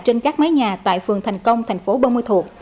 trên các máy nhà tại phường thành công thành phố buôn ma thuộc